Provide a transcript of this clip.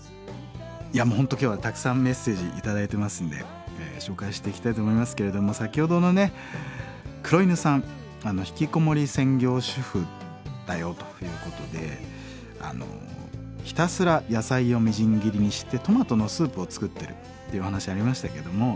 いやもう本当今日はたくさんメッセージ頂いてますんで紹介していきたいと思いますけれども先ほどのね黒犬さんひきこもり専業主婦だよということでひたすら野菜をみじん切りにしてトマトのスープを作ってるっていうお話ありましたけどもＸでもこんな声。